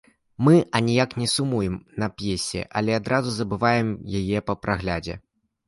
Мы аніяк не сумуем на п'есе, але адразу забываем яе па праглядзе.